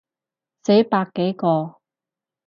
死百幾個